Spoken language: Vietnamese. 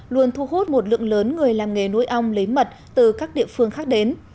luôn thu hút một lượng lớn người làm nghề nuôi ong lấy mật từ các địa phương khác đến